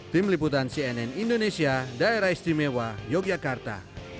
tim liputan cnn indonesia daerah istimewa yogyakarta